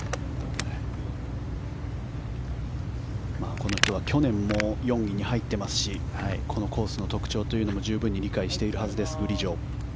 この人は去年も４位に入っていますしこのコースの特徴も十分に理解しているはずです。